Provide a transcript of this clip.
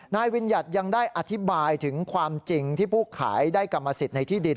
วิญญัติยังได้อธิบายถึงความจริงที่ผู้ขายได้กรรมสิทธิ์ในที่ดิน